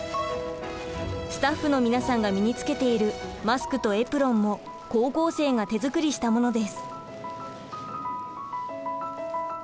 スタッフの皆さんが身につけているマスクとエプロンも高校生が手作りしたものです。